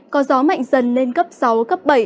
có gió mạnh dần lên cấp sáu cấp bảy